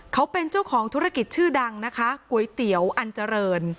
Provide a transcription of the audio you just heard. เขาเป็นเจ้าของธุรกิจชื่อดังนะคะก๋วยเตี๋ยวอันเจริญ